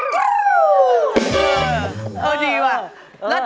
เลยดีว่ะ